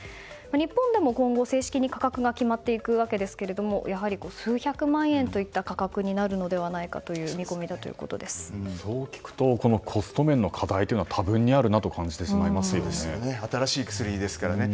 日本でも、今後正式に価格が決まっていくわけですけどやはり数百万円といった価格になるのではというそう聞くとコスト面の課題は新しい薬ですからね。